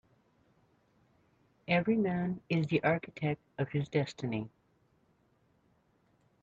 Every man is the architect of his destiny.